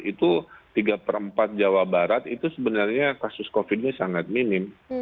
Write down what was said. itu tiga per empat jawa barat itu sebenarnya kasus covid nya sangat minim